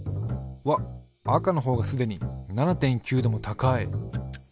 わっ赤のほうがすでに７．９℃も高い！